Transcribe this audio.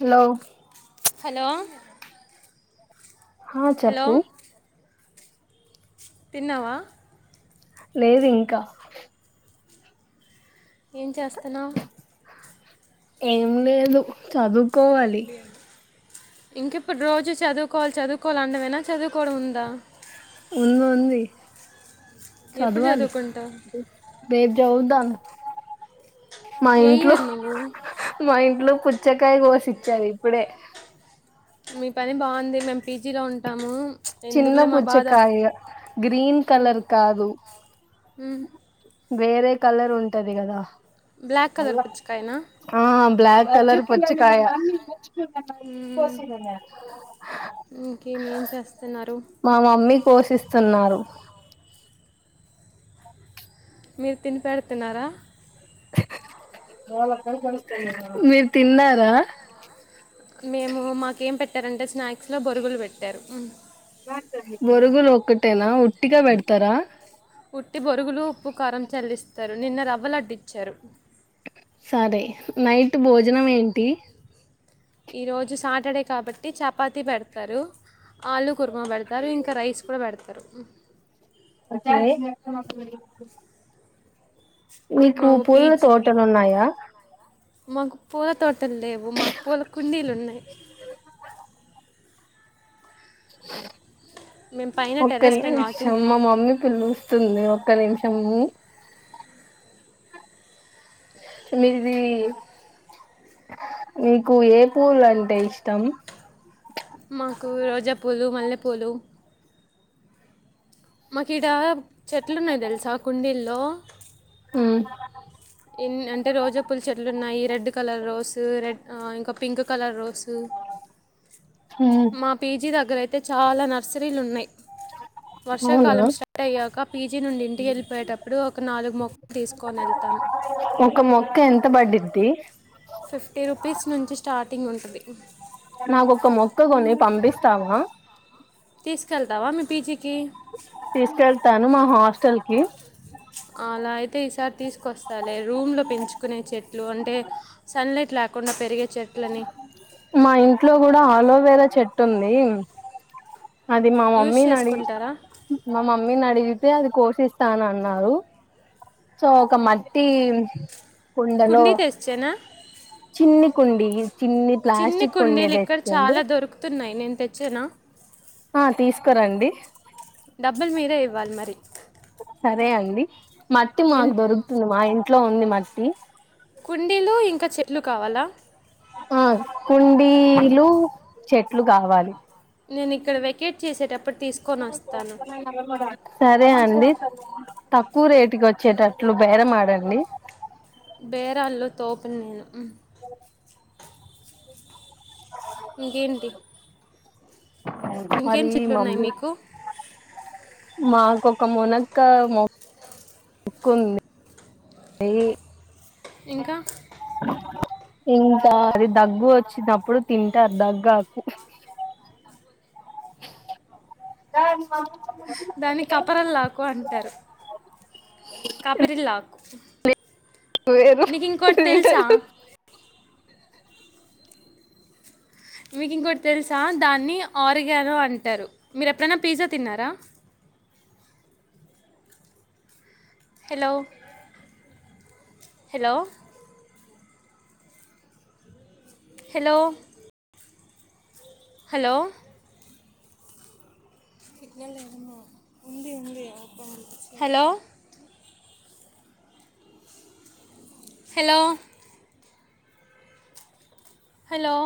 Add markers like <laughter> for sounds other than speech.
Hello hello హా hello చెప్పు తిన్నావా లేదు ఇంకా ఏం చేస్తున్నావు ఏం లేదు చదువుకోవాలి ఇంకేప్పుడు రోజు చదువుకోవాలి చదువుకోవాలి అనడమేనా చదువుకోవడం ఉందా ఉంది ఉంది ఎప్పుడు చదవాలి చదువుకుంటావ్ రేపు చదువుదాం మా ఏ ఇంట్లో ఇయర్ నువ్వు మా ఇంట్లో పుచ్చకాయ కోసిచ్చారు ఇప్పుడే మీ పని బాగుంది మేము పీజీలో ఉంటాము చిన్న ఎందుకులే మా బాధ పుచ్చకాయ గ్రీన్ కలర్ కాదు ఉ వేరే కలర్ ఉంటది కదా బ్లాక్ కలర్ పిచ్చు కాయిన్ ఆ ఆ బ్లాక్ కలర్ పూచ్చకాయ ఇంకేమీన్ మా మమ్మీ పోషిస్తున్నారు మీరు తినిపెడుతున్నారా మీరు తిన్నారా మేము మాకేం పెట్టారంటే స్నాక్ మోరుగులు ఒక్కటేనా ఒటిగా పెడతరా ఉట్టి బొరుగులు ఉప్పు కారం చల్లిస్తారు నిన్న రవ్వలుడ్డించారు సరే నైట్ భోజనం ఏంటి ఈ రజు సాటర్డే కాబట్టి చపాతీ పెడతారు కుర్మ పెడతారు ఇంకా రైస్ కూడా పెడతారు ఒకే మీకు మా పూల పీజీ తోటలున్నాయా మాకు పూల తోటలు లేవు మాకు పూల కుండీలు ఉన్నయి మేము పైన ఒక్క టెర్రస్ పైన నిమిషం వాకింగ్ మా మమ్మీ పిలుస్తుంది ఒక్క నిమిష షము మీది నీకు ఏ పూలు అంటే ఇష్టం మాకు రోజాపూలు మల్లెపూలు మాకిడా చెట్లున్నాయి తెలుసా కుండీల్లో ఉమ్ ఎన్ అంటే రోజా పూల చెట్లున్నాయి రెడ్ కలర్ రోసు రెడ్ ఇంకా పింక్ కలర్ రోసు మ్మ్ మా పీజీ దగ్గరయితే చాలా నర్సరీలున్నయి అవునా వర్షాకాలం స్టార్ట్ అయ్యాక పీజీ నుండి ఇంటికేళ్ళిపోయేటప్పుడు ఒక నాలుగు మొక్కలు తీసుకొని వెళ్తాను ఒక మొక్క ఎంత బడిద్ది ఫిఫ్టీ రూపీస్ నుంచి స్టార్టింగ్ ఉంటది నాకొ ఒక మొక్క కొన్ని పంపిస్తావా తీసుకెళ్తావా మీ పీజీకి తీసుకెళ్తాను మా హాస్టల్ కి తే ఈసారి తీసుకొస్తాలే రూమ్ లో పెంచుకునే చెట్లు అంటే సన్లైట్ లేకుండా పెరిగే చెట్ మా ఇంట్లో కూడా అలోవేరా చెట్టుంది అది మా యూజ్ మమ్మీ నడిగి చేసుకుంటారా మా మమ్మీ నడిగి తే అది కోషిస్తానన్నారు సో ఒక మట్టి కుండలో కుండీ తెచ్చానా చిన్ని కుండి చిన్ని చిన్ని ప్లాస్టిక్ కుండి కుండీలు ఇక్కడ తెస్తుంది చాలా దొరుకుతున్నాయి నేను తెచ్చేనా ఆ తీసుకురండి డబ్బుల్ మీరే ఇవ్వాలి మరి సరే అండి మట్టి మాక్ ఎన్- దొరుకుతుంది మా ఇంట్లో ఉంది మట్టి కుండీలు ఇంకా చెట్లు కావాలా ఆ కుండీలు చెట్లు కావాలి నేను ఇక్కడ వెకేట్ చేసేటప్పుడ్ సర్ లె అండి తక్కువ రేటుకి వచ్చేటట్లు బేరమాడండి బేరాళ్ళో తోప్ని నేను. ఇంకేంటి అవును ఇంకేం మరీ చెట్లు ఉన్నాయి మమ్మీ మీకు మాకొక మునక్కా మొక్ క్కుంది <inaudible> అయీ ఇంకా ఇంకా అది దగ్గు వచ్చినప్పుడు తింటారు దగ్గాకు. ర మ దాన్ని కపరల్ లాకు అంటారు కపిరిల్ ఆకు. వేరు తెలుసా మీకు ఇంకోటి తెల్సా దాన్నీ ఆరిగానో అంటారు మీరు ఎప్పుడైనా పిజ్జా తిన్నారా. Hello hello hello hello hello hello hello